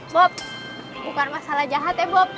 bob bukan masalah jahat ya bob